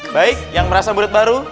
baik yang merasa murid baru